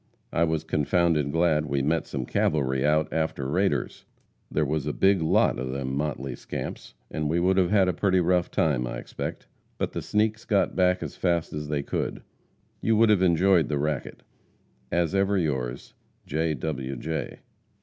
I was confounded glad we met some cavalry out after raiders. There was a big lot of them motley scamps, and we would have had a pretty rough time, I expect. But the sneaks got back as fast as they could. You would have enjoyed the racket. As ever yours, J. W. J.